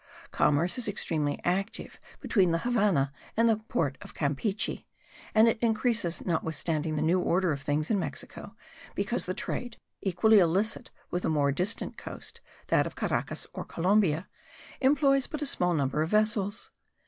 Commerce is extremely active between the Havannah and the port of Campeachy; and it increases, notwithstanding the new order of things in Mexico, because the trade, equally illicit with a more distant coast, that of Caracas or Columbia, employs but a small number of vessels.